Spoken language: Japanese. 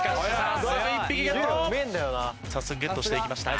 早速ゲットしていきました。